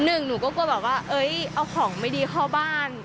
หนูก็กลัวแบบว่าเอาของไม่ดีเข้าบ้าน